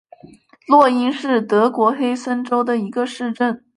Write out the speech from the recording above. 洛因是德国黑森州的一个市镇。